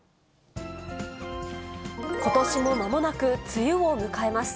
ことしもまもなく梅雨を迎えます。